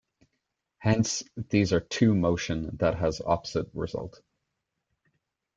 Hence, these are two motion that has opposite result.